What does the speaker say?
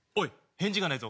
返事がないぞ？